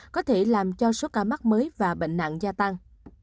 có thể làm cho số ca mắc mới và bệnh nặng gia tăng